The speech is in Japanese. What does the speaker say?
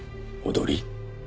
踊り？